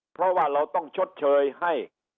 เพราะว่าเราต้องชดเชยให้